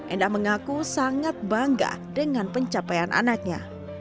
endah mengaku sangat bangga dengan pencapaian anaknya